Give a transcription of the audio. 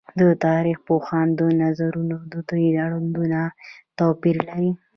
د تاريخ پوهانو نظرونه د دوی اړوند توپير لري